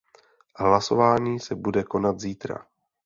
Hlasovaní se bude konat zítra.